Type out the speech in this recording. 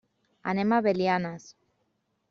Anem a Belianes.